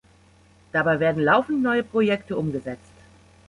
Dabei werden laufend neue Projekte umgesetzt.